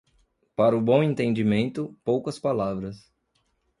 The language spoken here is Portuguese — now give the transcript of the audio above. Para o bom entendimento, poucas palavras.